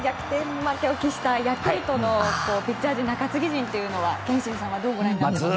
負けを喫したヤクルトのピッチャー陣、中継ぎ陣憲伸さんはどうご覧になっていますか？